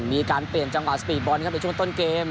มีการเปลี่ยนจังหวะครับในช่วงต้นเกม